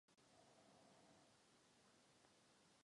Nové sídlo bylo založeno na umělém severním břehu.